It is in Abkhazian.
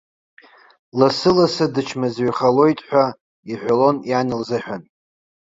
Лассы-лассы дычмазаҩхалоит ҳәа иҳәалон иан лзыҳәан.